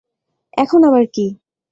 এখন আবার কী?